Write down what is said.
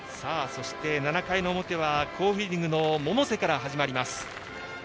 そして、７回の表は好フィールディングの百瀬から始まります。